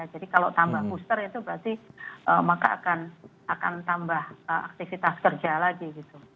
jadi kalau tambah booster itu berarti maka akan tambah aktivitas kerja lagi gitu